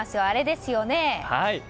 あれですよね。